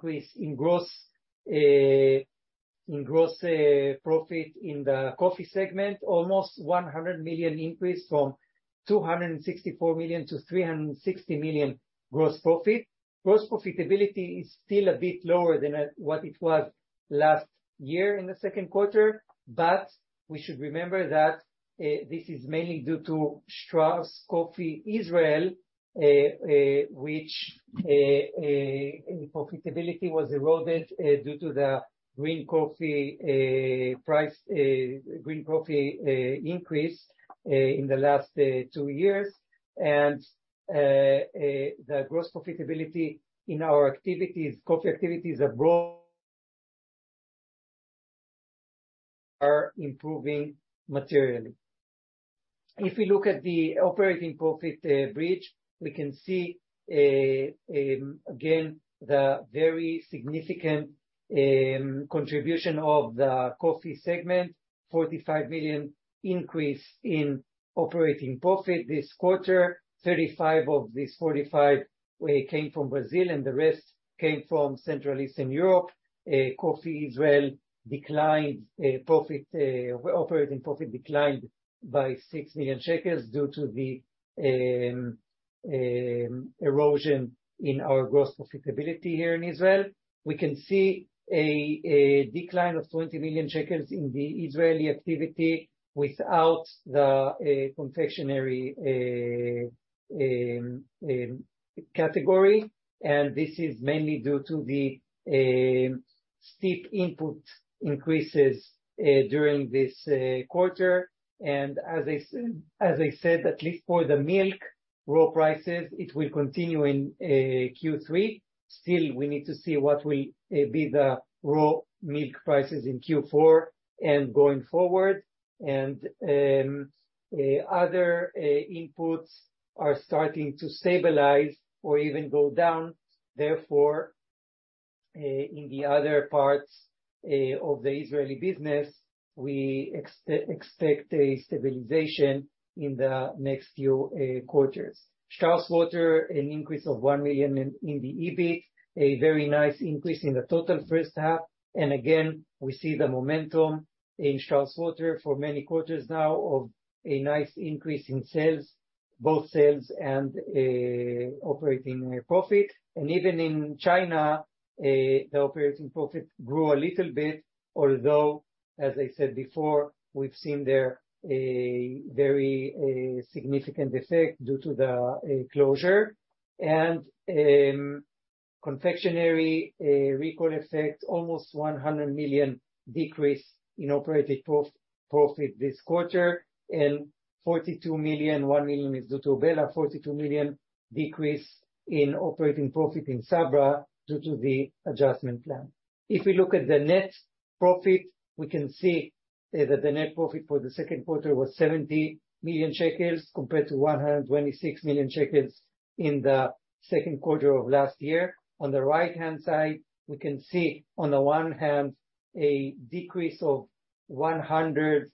Increase in gross profit in the coffee segment. Almost 100 million increase from 264 million-360 million gross profit. Gross profitability is still a bit lower than what it was last year in the second quarter, but we should remember that this is mainly due to Strauss Coffee Israel, which profitability was eroded due to the green coffee price increase in the last two years and the gross profitability in our coffee activities abroad are improving materially. If we look at the operating profit bridge, we can see again the very significant contribution of the coffee segment. 45 million increase in operating profit this quarter. 35 of this 45 came from Brazil, and the rest came from Central Eastern Europe. Coffee Israel operating profit declined by 6 million shekels due to the erosion in our gross profitability here in Israel. We can see a decline of 20 million shekels in the Israeli activity without the confectionery category, and this is mainly due to the steep input increases during this quarter. As I said, at least for the raw milk prices, it will continue in Q3. Still, we need to see what will be the raw milk prices in Q4 and going forward. Other inputs are starting to stabilize or even go down. Therefore, in the other parts of the Israeli business, we expect a stabilization in the next few quarters. Strauss Water, an increase of 1 million in the EBIT. A very nice increase in the total first half. We see the momentum in Strauss Water for many quarters now of a nice increase in sales, both sales and operating profit. Even in China, the operating profit grew a little bit, although, as I said before, we've seen there a very significant effect due to the closure. Confectionery, a recall effect, almost 100 million decrease in operating profit this quarter. 42 million, 1 million is due to Obela. 42 million decrease in operating profit in Sabra due to the adjustment plan. If we look at the net profit, we can see that the net profit for the second quarter was 70 million shekels compared to 126 million shekels in the second quarter of last year. On the right-hand side, we can see, on the one hand, a decrease of 107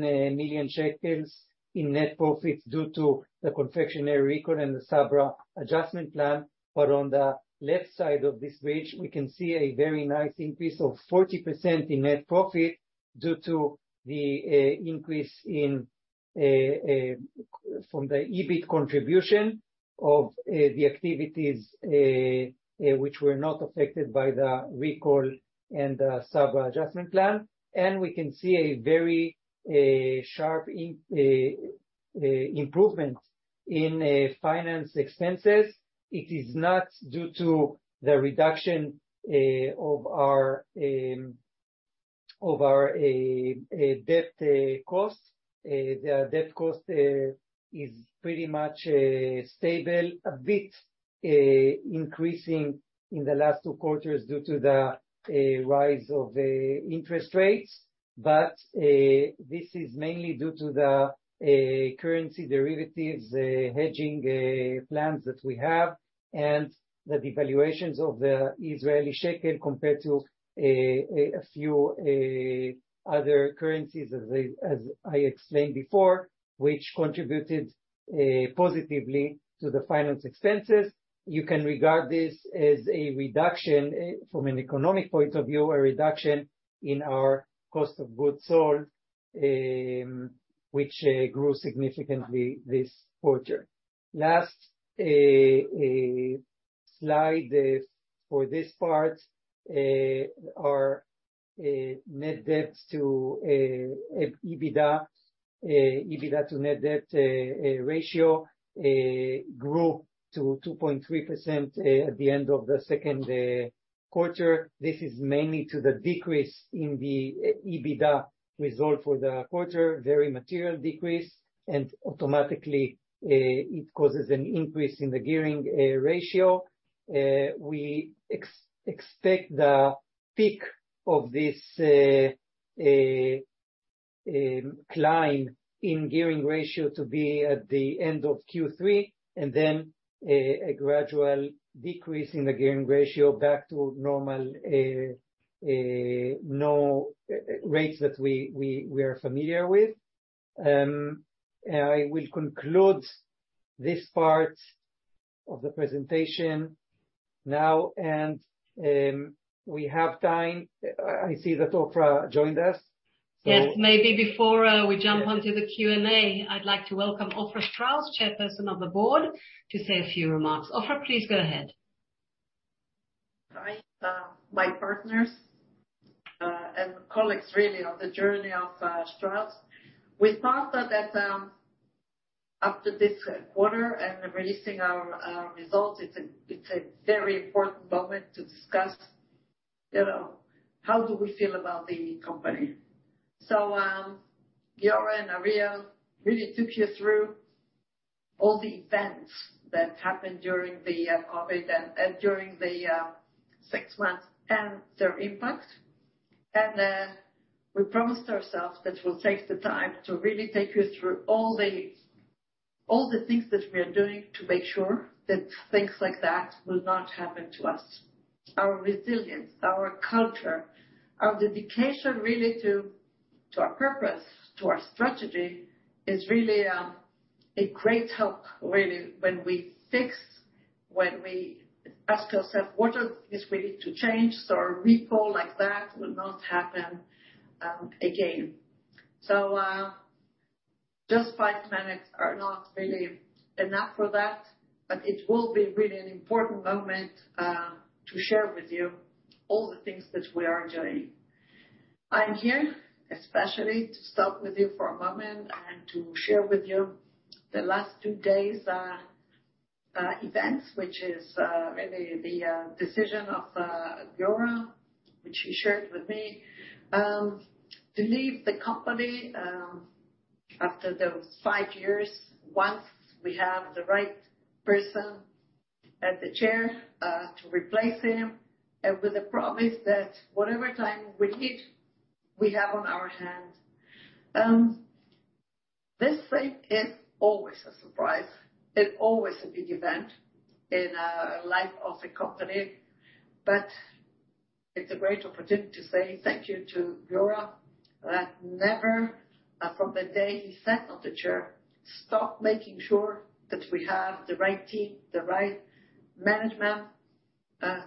million shekels in net profits due to the confectionery recall and the Sabra adjustment plan. On the left side of this page, we can see a very nice increase of 40% in net profit due to the increase from the EBIT contribution of the activities which were not affected by the recall and the Sabra adjustment plan. We can see a very sharp improvement in finance expenses. It is not due to the reduction of our debt cost. The debt cost is pretty much stable, a bit increasing in the last two quarters due to the rise of the interest rates. This is mainly due to the currency derivatives hedging plans that we have and the devaluations of the Israeli shekel compared to a few other currencies, as I explained before, which contributed positively to the finance expenses. You can regard this as a reduction from an economic point of view, a reduction in our cost of goods sold, which grew significantly this quarter. Last slide for this part, our net debt to EBITDA ratio grew to 2.3% at the end of the second quarter. This is mainly due to the decrease in the EBITDA result for the quarter, very material decrease, and automatically it causes an increase in the gearing ratio. We expect the peak of this climb in gearing ratio to be at the end of Q3, and then a gradual decrease in the gearing ratio back to normal rates that we are familiar with. I will conclude this part of the presentation now, and we have time. I see that Ofra joined us, so. Yes. Maybe before we jump onto the Q&A, I'd like to welcome Ofra Strauss, Chairperson of the Board, to say a few remarks. Ofra, please go ahead. Hi, my partners and colleagues, really, on the journey of Strauss. We thought that after this quarter and releasing our results, it's a very important moment to discuss, you know, how do we feel about the company. Giora and Ariel really took you through all the events that happened during the COVID and during the six months, and their impact. We promised ourselves that we'll take the time to really take you through all the things that we are doing to make sure that things like that will not happen to us. Our resilience, our culture, our dedication, really, to our purpose, to our strategy, is really a great help, really, when we ask ourselves, "What are things we need to change so a recall like that will not happen again?" Just five minutes are not really enough for that, but it will be really an important moment to share with you all the things that we are doing. I'm here especially to talk with you for a moment and to share with you the last two days' events, which is really the decision of Giora, which he shared with me, to leave the company after those five years, once we have the right person in the chair to replace him, and with a promise that whatever time we need, we have on hand. This thing is always a surprise, and always a big event in a life of a company. It's a great opportunity to say thank you to Giora, that never from the day he sat on the chair, stopped making sure that we have the right team, the right management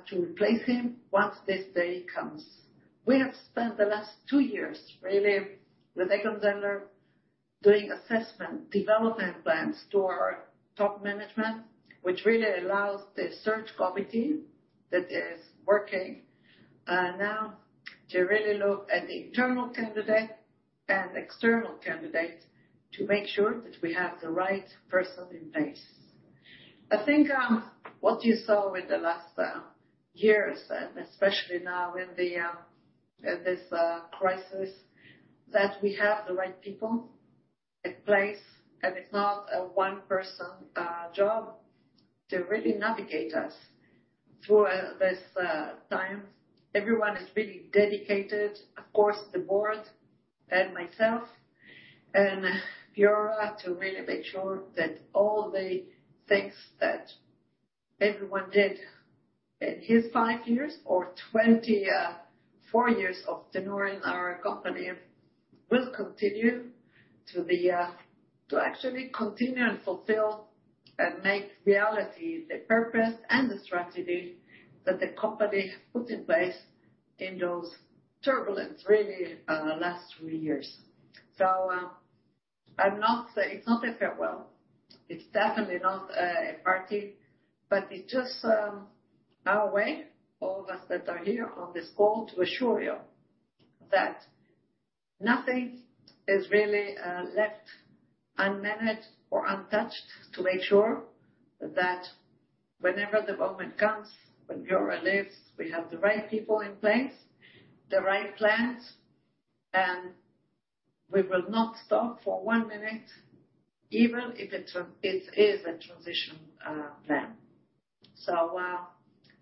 to replace him once this day comes. We have spent the last two years, really, with Egon Zehnder, doing assessment, development plans to our top management, which really allows the search committee that is working now to really look at the internal candidate and external candidate to make sure that we have the right person in place. I think what you saw in the last years, and especially now in this crisis, that we have the right people in place, and it's not a one-person job to really navigate us through this time. Everyone is really dedicated, of course, the board and myself, and Giora, to really make sure that all the things that everyone did in his five years or 24 years of tenure at our company, will continue to actually continue and fulfill and make reality the purpose and the strategy that the company put in place in those turbulent, really last three years. It's not a farewell. It's definitely not a party. It's just our way, all of us that are here on this call, to assure you that nothing is really left unmanaged or untouched, to make sure that whenever the moment comes when Giora leaves, we have the right people in place, the right plans, and we will not stop for one minute, even if it is a transition plan.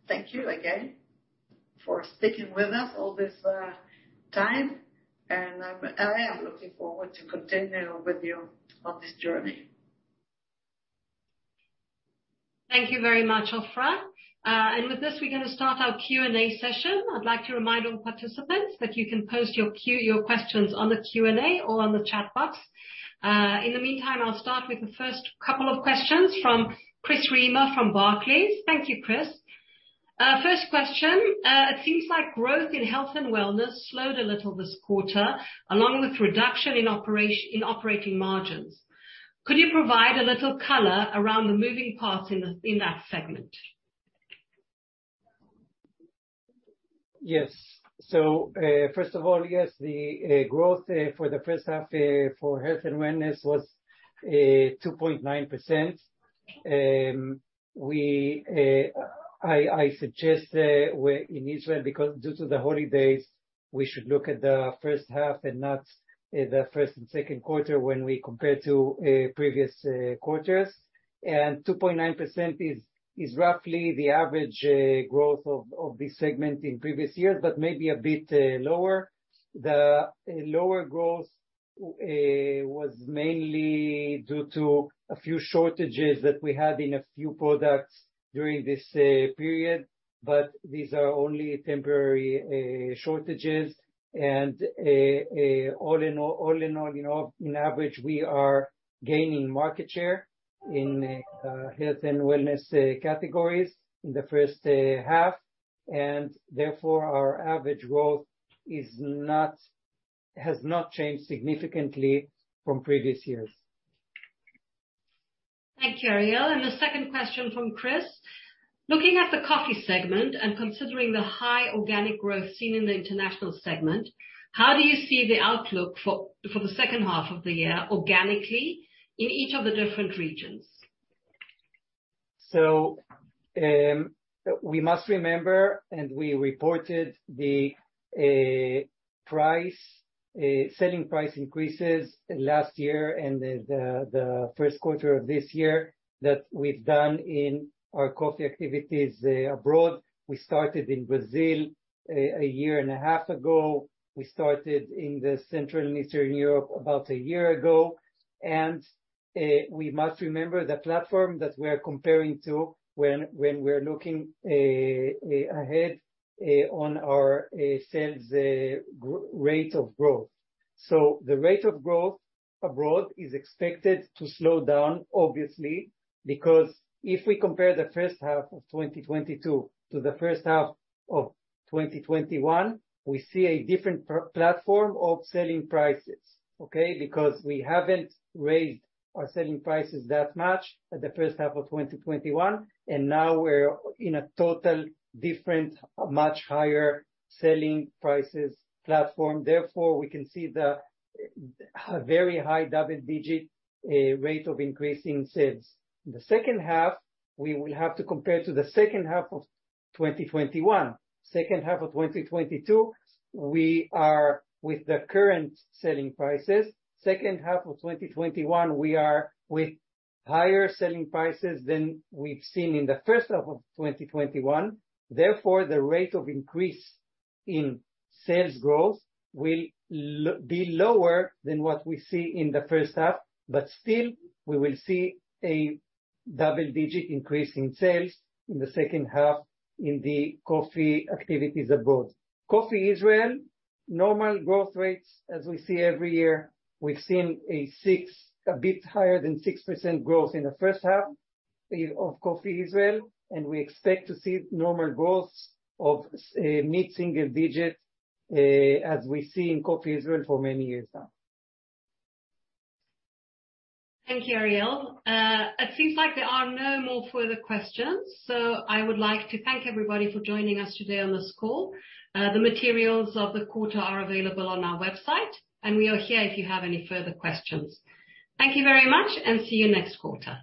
Thank you again for sticking with us all this time, and I am looking forward to continuing with you on this journey. Thank you very much, Ofra. With this, we're gonna start our Q&A session. I'd like to remind all participants that you can post your questions on the Q&A or on the chat box. In the meantime, I'll start with the first couple of questions from Chris Raymer from Barclays. Thank you, Chris. First question. It seems like growth in Health & Wellness slowed a little this quarter, along with reduction in operating margins. Could you provide a little color around the moving parts in that segment? Yes. First of all, yes, the growth for the first half for Health & Wellness was 2.9%. I suggest in Israel, because due to the holidays, we should look at the first half and not the first and second quarter when we compare to previous quarters. Two point nine percent is roughly the average growth of this segment in previous years, but maybe a bit lower. The lower growth was mainly due to a few shortages that we had in a few products during this period, but these are only temporary shortages. All in all, you know, on average, we are gaining market share in Health & Wellness categories in the first half, and therefore our average growth has not changed significantly from previous years. Thank you, Ariel. The second question from Chris: Looking at the coffee segment and considering the high organic growth seen in the international segment, how do you see the outlook for the second half of the year organically in each of the different regions? We must remember, and we reported the price selling price increases last year and the first quarter of this year that we've done in our coffee activities abroad. We started in Brazil a year and a half ago. We started in Central and Eastern Europe about a year ago. We must remember the platform that we're comparing to when we're looking ahead on our sales rate of growth. The rate of growth abroad is expected to slow down, obviously, because if we compare the first half of 2022 to the first half of 2021, we see a different platform of selling prices, okay? Because we haven't raised our selling prices that much in the first half of 2021, and now we're in a totally different, much higher selling prices platform. Therefore, we can see the very high double-digit rate of increase in sales. The second half, we will have to compare to the second half of 2021. Second half of 2022, we are with the current selling prices. Second half of 2021, we are with higher selling prices than we've seen in the first half of 2021. Therefore, the rate of increase in sales growth will be lower than what we see in the first half, but still we will see a double-digit increase in sales in the second half in the coffee activities abroad. Coffee Israel, normal growth rates as we see every year. We've seen a six... a bit higher than 6% growth in the first half of Coffee Israel, and we expect to see normal growth of mid-single-digit, as we see in Coffee Israel for many years now. Thank you, Ariel. It seems like there are no more further questions, so I would like to thank everybody for joining us today on this call. The materials of the quarter are available on our website, and we are here if you have any further questions. Thank you very much, and see you next quarter.